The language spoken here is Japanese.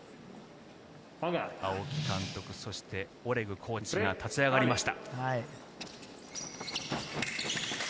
青木監督、そしてオレグコーチが立ち上がりました。